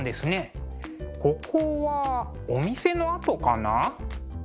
ここはお店の跡かな？